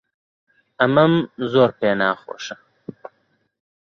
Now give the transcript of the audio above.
ئەمەم زۆر پێ ناخۆشە.